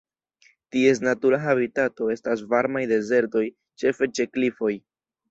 Ties natura habitato estas varmaj dezertoj ĉefe ĉe klifoj.